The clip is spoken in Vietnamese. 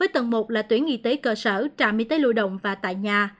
tầng một là tuyến y tế cơ sở trạm y tế lưu động và tại nhà